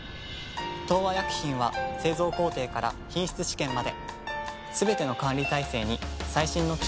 東和薬品は製造工程から品質試験まですべての管理体制に最新の機器や技術を導入。